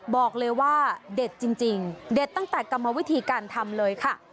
บอกเลยว่าเด็ดจริงเด็ดตั้งแต่กรรมวิธีการทำเลยค่ะ